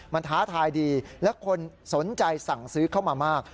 มันท้าทายดีและคนสนใจสั่งซื้อเข้ามามาก